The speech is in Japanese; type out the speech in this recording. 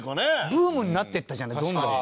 ブームになっていったじゃないどんどん。